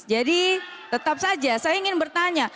jadi tetap saja saya ingin bertanya